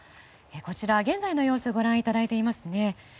こちら現在の様子をご覧いただいていますね。